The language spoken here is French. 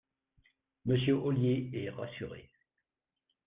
Monsieur Ollier est rassuré